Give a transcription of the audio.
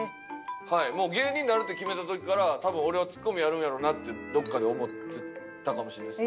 もう芸人になるって決めた時から多分俺はツッコミやるんやろうなってどこかで思ってたかもしれない。